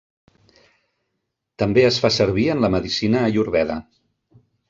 També es fa servir en la medicina Ayurveda.